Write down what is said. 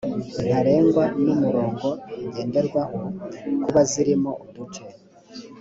ntarengwa n umurongo ngenderwaho ku bazirimo uduce